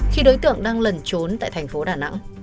khi đối tượng đang lẩn trốn tại thành phố đà nẵng